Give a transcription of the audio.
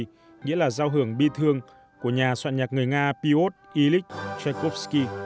nghĩa là giao hưởng bi thương của nhà soạn nhạc người nga piotr ilyich tchaikovsky